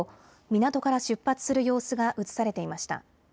港から出発する様子が映されていました。